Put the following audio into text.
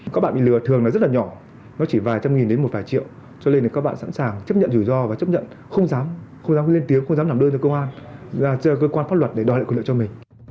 các bạn bị lừa thường là rất là nhỏ nó chỉ vài trăm nghìn đến một vài triệu cho nên là các bạn sẵn sàng chấp nhận rủi ro và chấp nhận không dám không dám lên tiếng không dám làm đơn cho công an ra cơ quan pháp luật để đòi lại quyền lợi cho mình